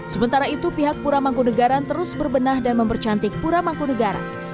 setelah itu pihak puramangkunegaran terus berbenah dan mempercantik puramangkunegara